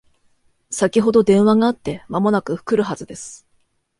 先ほど電話があって間もなく来るはずです